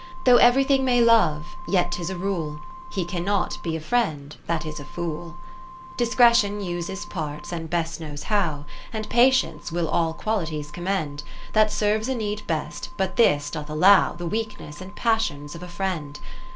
Though everything may love, yet 'tis a rule, He cannot be a friend that is a fool. X Discretion uses parts, and best knows how ; And Patience will all qualities commend : That serves a need best, but this doth allow The weaknesses and passions of a friend.